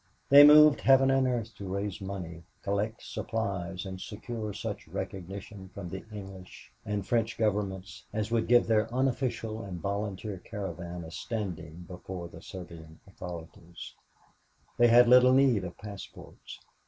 They moved heaven and earth to raise money, collect supplies and secure such recognition from the English and French governments as would give their unofficial and volunteer caravan a standing before the Serbian authorities. They had little need of passports.